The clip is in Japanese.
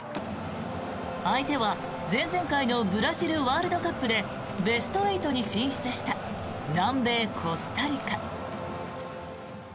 相手は、前々回のブラジルワールドカップでベスト８に進出した南米コスタリカ。